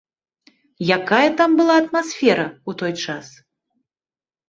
Якая там была атмасфера ў той час?